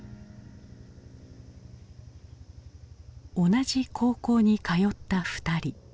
同じ高校に通った２人。